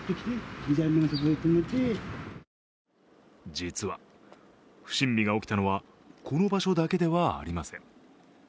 実は、不審火が起きたのはこの場所だけではありません。